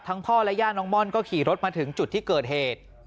พ่อและย่าน้องม่อนก็ขี่รถมาถึงจุดที่เกิดเหตุ